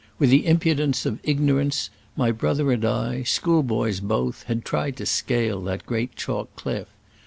With the impudence of ignorance, my brother and I, schoolboys both, had tried to scale that great chalk cliff.